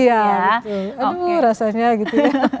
iya aduh rasanya gitu ya